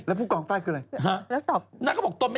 แล้วผู้กองฟ้ายคืออะไร